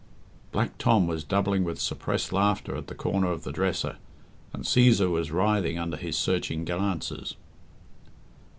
Black Tom was doubling with suppressed laughter at the corner of the dresser, and Cæsar was writhing under his searching glances.